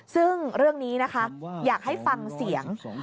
ซึ่งเรื่องนี้นะคะอยากให้ฟังเสียง